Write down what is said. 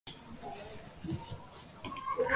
কাপুরুষদের আর কি বলব, কিছুই বলবার নাই।